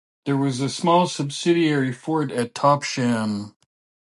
There was a small subsidiary fort at Topsham.